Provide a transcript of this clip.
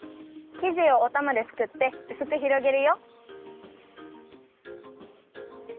きじをおたまですくってうすくひろげるよ。